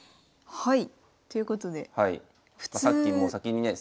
はい。